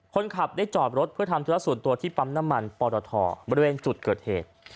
คนขับได้จอดรถเพื่อทำธุระส่วนตัวที่ปั๊มน้ำมันปรทบริเวณจุดเกิดเหตุ